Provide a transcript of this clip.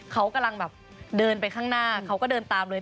เขากำลังแบบเดินไปข้างหน้าเขาก็เดินตามเลย